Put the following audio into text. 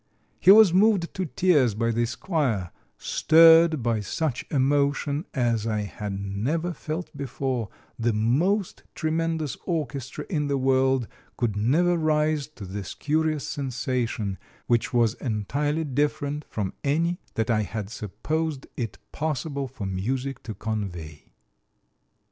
He was moved to tears by this choir, "stirred by such emotion as I had never felt before … the most tremendous orchestra in the world could never give rise to this curious sensation, which was entirely different from any that I had supposed it possible for music to convey."